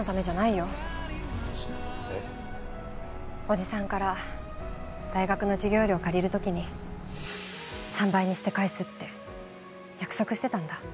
おじさんから大学の授業料を借りる時に３倍にして返すって約束してたんだ。